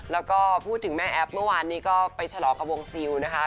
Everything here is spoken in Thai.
แล้วก็พูดถึงแม่แอฟเมื่อวานนี้ก็ไปฉลองกับวงซิลนะคะ